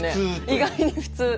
意外に普通。